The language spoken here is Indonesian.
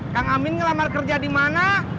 kang amin ngelamar kerja di mana